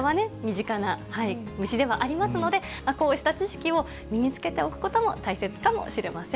まあまあ、でも蚊はね、身近な虫ではありますので、こうした知識を身につけておくことも大切かもしれません。